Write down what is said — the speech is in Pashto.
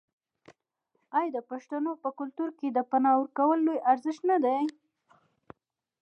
آیا د پښتنو په کلتور کې د پنا ورکول لوی ارزښت نه دی؟